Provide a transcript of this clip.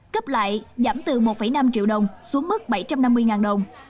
cấp lại giảm từ một năm triệu đồng xuống mức bảy trăm năm mươi đồng